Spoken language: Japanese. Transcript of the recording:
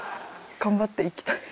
頑張っていきたい。